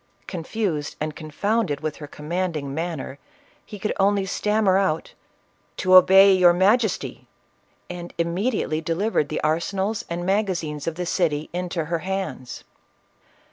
Confused and con founded with her commanding manner, he could only stammer out, " To obey your majesty !" and immedi ately delivered the arsenals and magazines of the city into her hands.